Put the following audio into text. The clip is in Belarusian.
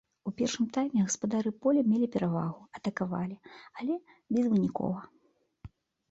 У першым тайме гаспадары поля мелі перавагу, атакавалі, але безвынікова.